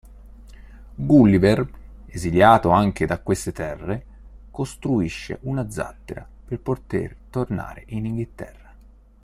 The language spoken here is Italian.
Gulliver, esiliato anche da queste terre, costruisce una zattera per poter tornare in Inghilterra.